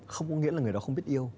không có nghĩa là người đó không biết yêu